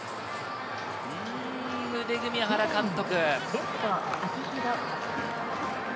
腕組み、原監督。